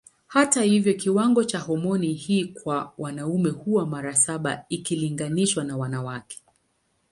Hata hivyo kiwango cha homoni hii kwa wanaume huwa mara saba ikilinganishwa na wanawake.